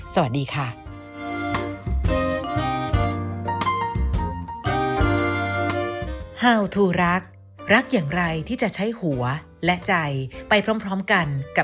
สวัสดีค่ะ